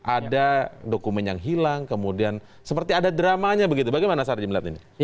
ada dokumen yang hilang kemudian seperti ada dramanya begitu bagaimana sarji melihat ini